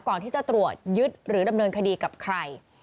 ก่อนที่จะตรวจยึดหรือดำเนินคดีกับใคร